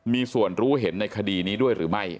มีส่วนรู้เห็นในคดีนี้ด้วยหรือไม่